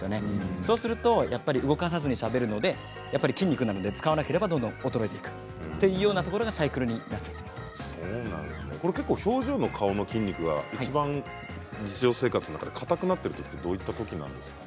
そうすると動かさずにしゃべるので、やっぱり筋肉なので使わなければどんどん衰えていくというところが表情の顔の筋肉がいちばん日常生活でかたくなっているのはどういうときなんですか。